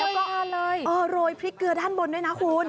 แล้วก็โรยพริกเกลือด้านบนด้วยนะคุณ